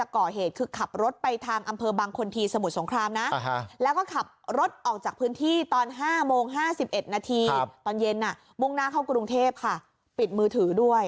เขาไม่พูด